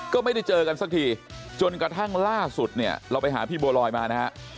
ก็ไม่ได้เจอกันสักทีจนกระทั่งล่าสุดเนี่ยเราไปหาพี่บัวลอยมานะฮะ